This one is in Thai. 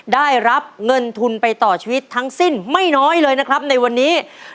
ได้รับเงินทุนไปต่อชีวิตทั้งสิ้นไม่น้อยเลยนะครับในวันนี้